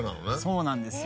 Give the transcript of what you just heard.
そうなんですよ